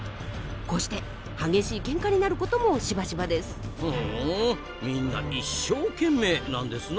こうして激しいけんかになる事もしばしばです。